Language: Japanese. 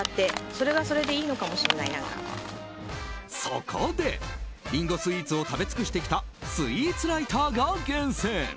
そこで、リンゴスイーツを食べ尽くしてきたスイーツライターが厳選！